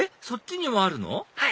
そっちにもあるの？